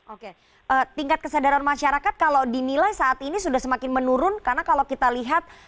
oke tingkat kesadaran masyarakat kalau dinilai saat ini sudah semakin menurun karena kalau kita lihat